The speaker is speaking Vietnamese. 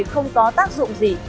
không có tác dụng gì